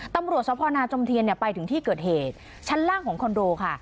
ตำรวจสพนาจมเทียนไปถึงที่เกิดเหตุชั้นล่างของคอนโดค่ะ